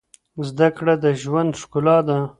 زده کړه د ژوند ښکلا ده.